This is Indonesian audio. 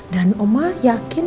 dan oma yakin